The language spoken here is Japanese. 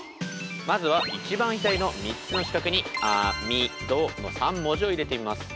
まずは一番左の３つの四角に「あみど」の３文字を入れてみます。